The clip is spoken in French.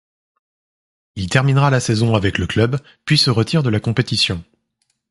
Il terminera la saison avec le club puis se retire de la compétition.